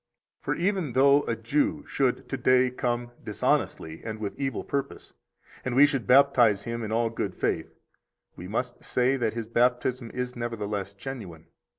54 For even though a Jew should to day come dishonestly and with evil purpose, and we should baptize him in all good faith, we must say that his baptism is nevertheless genuine.